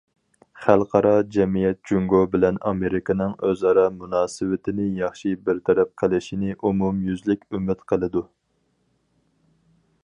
خەلقئارا جەمئىيەت جۇڭگو بىلەن ئامېرىكىنىڭ ئۆزئارا مۇناسىۋىتىنى ياخشى بىر تەرەپ قىلىشىنى ئومۇميۈزلۈك ئۈمىد قىلىدۇ.